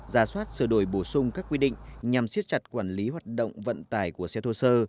giả soát sửa đổi bổ sung các quy định nhằm siết chặt quản lý hoạt động vận tải của xe thô sơ